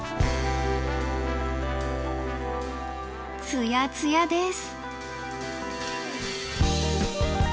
ツヤツヤです。